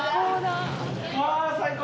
あ最高！